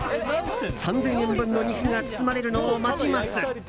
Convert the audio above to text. ３０００円分の肉が包まれるのを待ちます。